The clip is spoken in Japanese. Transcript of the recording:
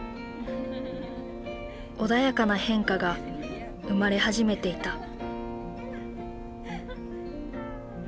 穏やかな変化が生まれ始めていた。